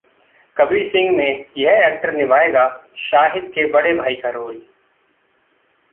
कबीर सिंह में ये एक्टर निभाएगा शाहिद के बड़े भाई का रोल